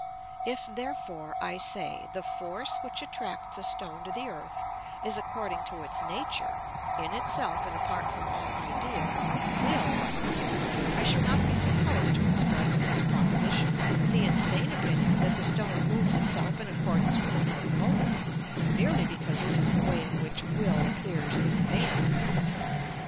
If, therefore, I say,—the force which attracts a stone to the earth is according to its nature, in itself, and apart from all idea, will, I shall not be supposed to express in this proposition the insane opinion that the stone moves itself in accordance with a known motive, merely because this is the way in which will appears in man.